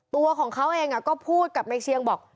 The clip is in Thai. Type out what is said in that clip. ตัวของเขาเองก็พูดกับในเชียงบอก